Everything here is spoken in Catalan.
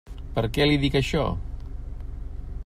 Per què li dic això?